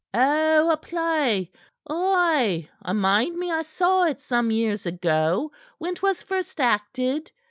"Oh, a play! Ay, I mind me I saw it some years ago, when 'twas first acted.